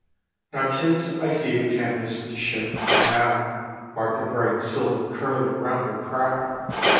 Now 'tis I see a canvass'd ship, and now Mark the bright silver curling round her prow.